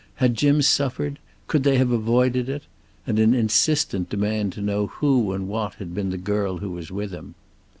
Had Jim suffered? Could they have avoided it? And an insistent demand to know who and what had been the girl who was with him.